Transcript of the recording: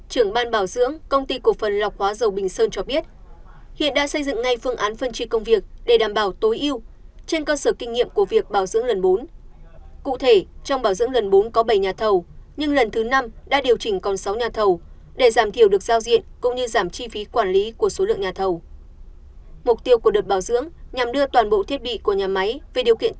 công ty cổ phần lọc hóa dầu bình sơn đơn vị vận hành nhà máy đọc dầu dung quất đảm nhận bốn đầu mục công việc